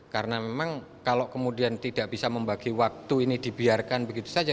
karena memang kalau kemudian tidak bisa membagi waktu ini dibiarkan begitu saja